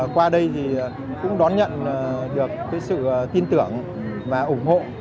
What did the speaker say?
qua đây thì cũng đón nhận được sự tin tưởng và ủng hộ